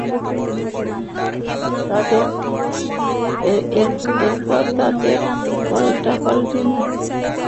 এরপর তাঁদের পাল্টাপাল্টি নানা অভিযোগের বিষয়গুলো নিয়ে সংবাদমাধ্যমে বেশ আলোচনা হয়।